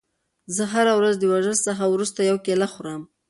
زه هره ورځ د ورزش څخه وروسته یوه کیله خورم.